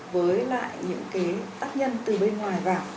với lại những cái tác nhân từ bên ngoài vào